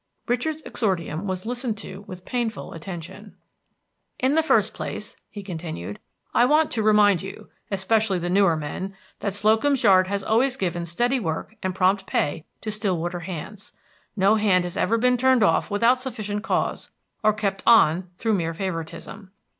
Richard's exordium was listened to with painful attention. "In the first place," he continued, "I want to remind you, especially the newer men, that Slocum's Yard has always given steady work and prompt pay to Stillwater hands. No hand has ever been turned off without sufficient cause, or kept on through mere favoritism.